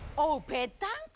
ぺったんこ？